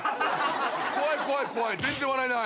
怖い怖い怖い！